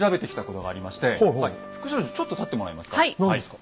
そして副所長ちょっと立ってもらえますか。